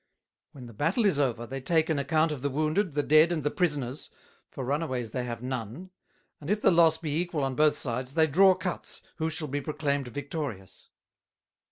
When the Battle is over, they take an account of the Wounded, the Dead and the Prisoners, for Runaways they have none; and if the loss be equal on both sides, they draw Cuts, who shall be Proclaimed Victorious.